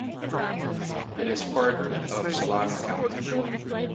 It is part of Solano County.